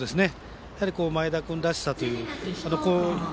前田君らしさという。